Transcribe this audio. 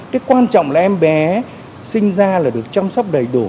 cái quan trọng là em bé sinh ra là được chăm sóc đầy đủ